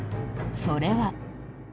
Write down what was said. それは。